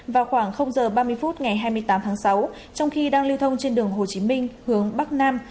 vào khoảng h ba mươi phút ngày hai mươi tám tháng sáu trong khi đang lưu thông trên đường hồ chí minh hướng bắc nam